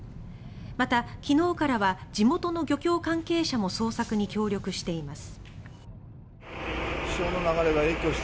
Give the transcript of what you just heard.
また、昨日からは地元の漁協関係者も捜索に協力しています。